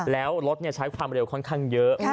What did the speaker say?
แล้วรถใช้พลังละแล้วค่อนข้างเยอะ